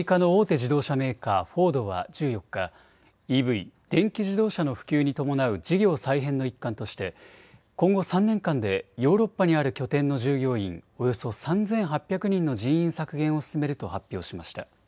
自動車メーカー、フォードは１４日、ＥＶ・電気自動車の普及に伴う事業再編の一環として今後３年間でヨーロッパにある拠点の従業員およそ３８００人の人員削減を進めると発表しました。